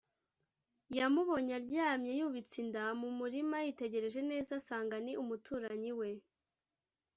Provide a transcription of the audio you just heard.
yamubonye aryamye yubitse inda mu murima yitegereje neza asanga ni umuturanyi we